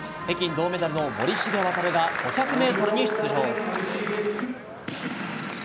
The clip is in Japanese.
北京銅メダルの森重航が５００ｍに出場。